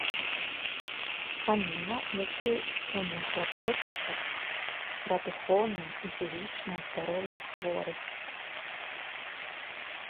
Каміла, якія і сёння клапоцяцца пра духоўнае і фізічнае здароўе хворых.